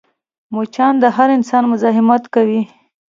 مچان د هر انسان مزاحمت کوي